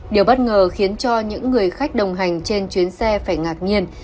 điều bất ngờ khiến cho những người khách đồng hành trên chuyến xe phải ngạc nhiên